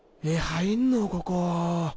入んのここ。